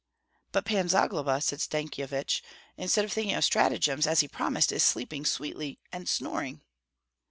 "But Pan Zagloba," said Stankyevich, "instead of thinking of stratagems, as he promised, is sleeping sweetly, and snoring."